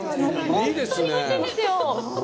本当においしいんですよ。